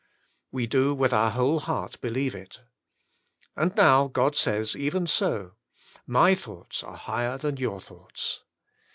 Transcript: We do with our whole heart believe it. And now God says, even so, " my thoughts are higher than your thoughts.